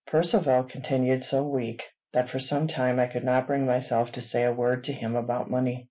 Percivale continued so weak, that for some time I could not bring myself to say a word to him about money.